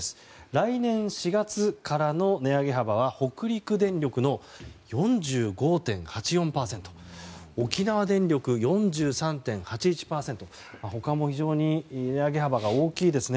来年４月からの値上げ幅は北陸電力の４５．８４％沖縄電力、４３．８１％他も非常に値上げ幅が大きいですね。